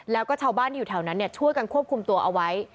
แล้วก็ชาวบ้านที่อยู่แถวนั้นช่วยกันควบคุมตัวเอาไว้